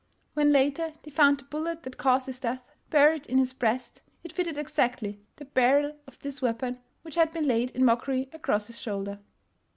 When, later, they found the bullet that caused his death, buried in his breast, it fitted exactly the barrel of this weapon which had been laid in mockery across his shoulder.